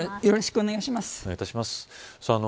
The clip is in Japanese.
よろしくお願いします。